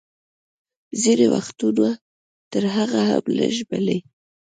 ځینې وختونه تر هغه هم لږ، بلې.